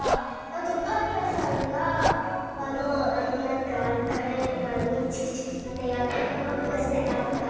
あとパンやさんがあのあのなんかカレーパンにチクチクチクってやってるのはどうしてかとか。